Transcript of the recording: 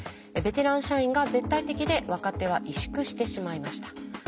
ベテラン社員が絶対的で若手は萎縮してしまいました。